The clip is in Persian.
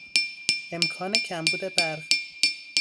امکان کمبود برق